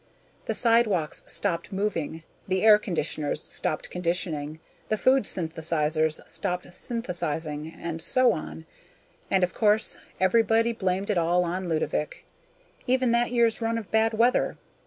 The sidewalks stopped moving, the air conditioners stopped conditioning, the food synthesizers stopped synthesizing, and so on. And, of course, everybody blamed it all on Ludovick even that year's run of bad weather.